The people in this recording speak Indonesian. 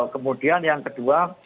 kemudian yang kedua